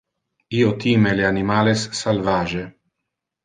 Io time le animales salvage.